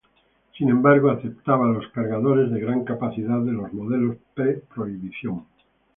Sin embargo, aceptaba los cargadores de gran capacidad de los modelos pre-prohibición.